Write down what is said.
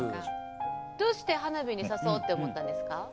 どうして花火に誘おうって思ったんですか？